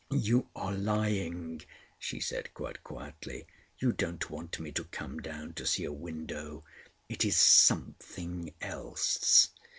"You are lying," she said quite quietly. "You don't want me to come down to see a window. It is something else.